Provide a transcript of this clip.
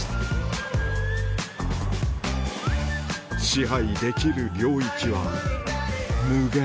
支配できる領域は無限